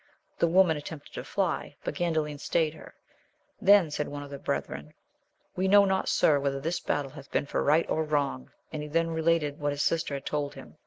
The woman attempted to fly, but Gandalin stayed her. Then, said one of the brethren, We know not, sir, whether this battle hath been for right or wrong ; and he then related what his sister had told him.